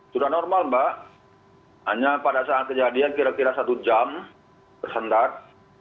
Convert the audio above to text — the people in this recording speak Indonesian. sudah normal mbak hanya pada saat kejadian kira kira satu jam tersendat